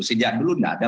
sejauh dulu tidak ada